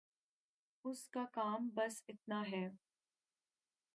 اس کا کام بس اتنا ہے۔